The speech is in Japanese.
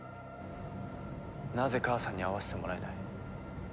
なぜ母さんに会わせてもらえない？